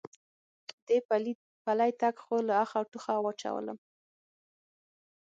دې پلی تګ خو له آخه او ټوخه واچولم.